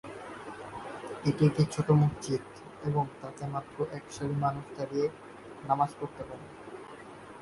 এটি একটি ছোট মসজিদ এবং তাতে মাত্র এক সারি মানুষ দাঁড়িয়ে নামাজ পড়তে পারেন।